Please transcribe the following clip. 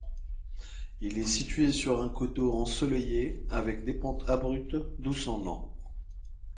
Il est situé sur un coteau ensoleillé avec des pentes abruptes, d'où son nom.